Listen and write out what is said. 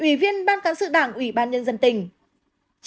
ủy viên ban cán sự đảng ủy ban nhân dân tỉnh